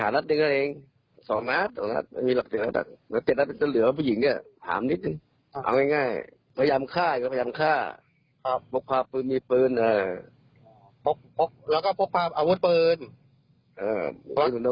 แล้วก็พกพาอาวุธปืน